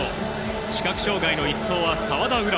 視覚障がいの１走は澤田優蘭。